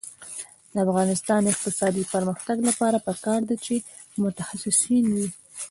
د افغانستان د اقتصادي پرمختګ لپاره پکار ده چې متخصصین وي.